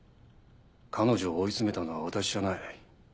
彼女を追い詰めたのは私じゃない。